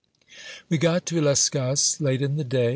We got to Illescas late in the day.